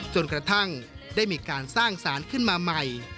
จนกระทั่งได้มีการสร้างสารขึ้นมาใหม่